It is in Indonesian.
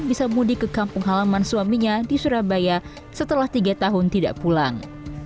bisa mudik ke kampung halaman suaminya di surabaya setelah tiga tahun tidak pulang